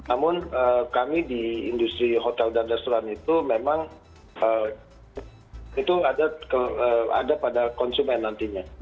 namun kami di industri hotel dan restoran itu memang itu ada pada konsumen nantinya